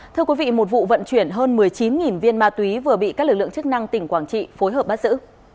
thưa quý vị một vụ vận chuyển hơn một mươi chín viên ma túy vừa bị các lực lượng chức năng tỉnh quảng trị phối hợp bắt giữ